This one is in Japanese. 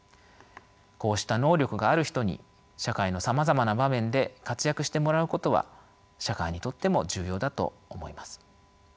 こうした能力がある人に社会のさまざまな場面で活躍してもらうことは社会にとっても重要だと思います。